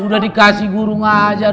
udah dikasih guru ngajar